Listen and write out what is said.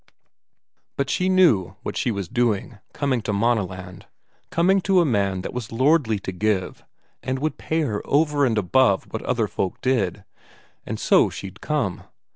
But she knew what she was doing, coming to Maaneland, coming to a man that was lordly to give and would pay her over and above what other folk did and so she'd come.